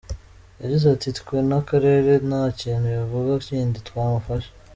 Yagize ati “Twe nk’akarere nta kintu wavuga kindi twamufasha.